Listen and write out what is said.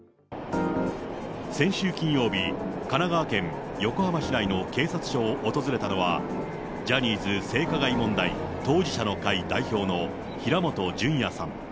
先週金曜日、神奈川県横浜市内の警察署を訪れたのは、ジャニーズ性加害問題当事者の会代表の平本淳也さん。